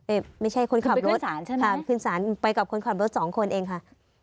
เอ๊ะไม่ใช่คนขับรถคุณไปขึ้นศาลใช่ไหมค่ะขึ้นศาลไปกับคนขับรถ๒คนเองค่ะ